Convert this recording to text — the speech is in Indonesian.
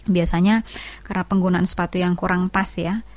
biasanya karena penggunaan sepatu yang kurang pas ya